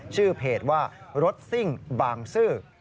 ชื่อเพจว่ารถซิ่งบางซื่อ